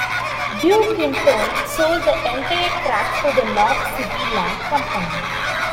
Duke, in turn, sold the entire tract to the Knob City Land Company.